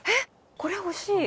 これ欲しい。